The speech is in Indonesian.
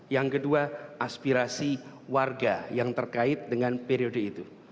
yang kedua aspirasi warga yang terkait dengan periode itu